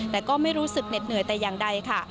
แต่ก็ไม่รู้สึกเหน็ดเหนื่อยแต่อย่างใดค่ะ